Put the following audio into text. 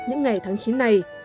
những ngày tháng chín này